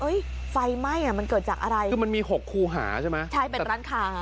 ไฟไหม้อ่ะมันเกิดจากอะไรคือมันมีหกคูหาใช่ไหมใช่เป็นร้านค้า